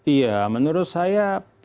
iya menurut saya